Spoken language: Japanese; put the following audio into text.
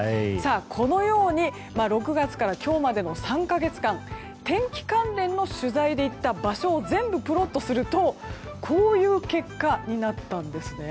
このように６月から今日までの３か月間天気関連の取材で行った場所を全部プロットするとこういう結果になったんです。